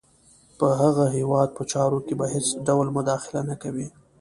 په هغه هیواد په چارو کې به هېڅ ډول مداخله نه کوي.